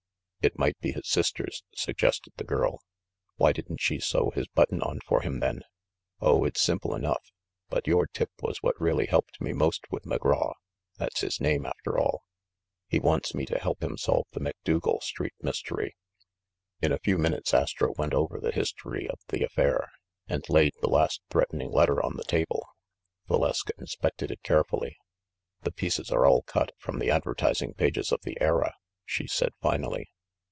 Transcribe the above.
"It might be his sister's," suggested the girl. "Why didn't she sew his buttons on for him, then? Oh, it's simple enough. But your tip was what really helped me most with McGraw — that's his name — after all. He wants me to help him solve the Macdougal Street mystery." In a few minutes Astro went over the history of the affair, and laid the last threatening letter on the table. Valeska inspected it carefully. "The pieces are all cut from the advertising pages of The Era," she said finally.